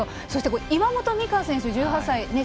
そして岩本美歌選手、１８歳。